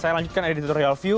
saya lanjutkan editorial view